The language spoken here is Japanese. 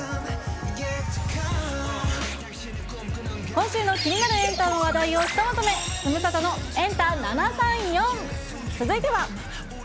今週の気になるエンタの話題をひとまとめ、ズムサタのエンタ７３４。続いては。